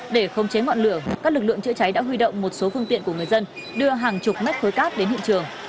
để khống chế ngọn lửa các lực lượng chữa cháy đã huy động một số phương tiện của người dân đưa hàng chục mét khối cát đến hiện trường